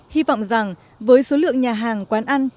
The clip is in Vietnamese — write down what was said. hy vọng rằng với số lượng nhà hàng quán ăn